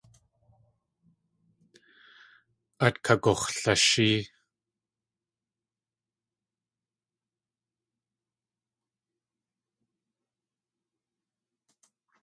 At kagux̲lashée.